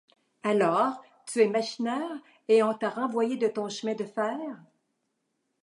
Alors, tu es machineur, et on t’a renvoyé de ton chemin de fer...